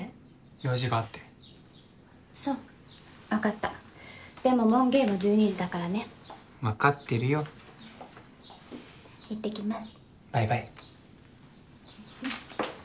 用事があってそう分かったでも門限は１２時だからね分かってるよ行ってきます